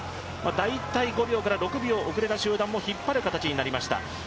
大体５秒から６秒遅れた集団を引っ張る形になりました。